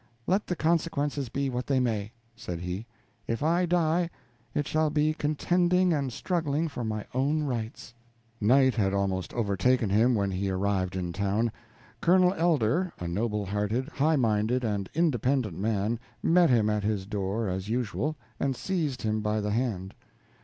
Let the consequences be what they may," said he, "if I die, it shall be contending and struggling for my own rights." Night had almost overtaken him when he arrived in town. Colonel Elder, a noble hearted, high minded, and independent man, met him at his door as usual, and seized him by the hand.